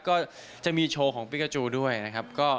ก็จะมีโชว์ของปิกาจูด้วยนะครับ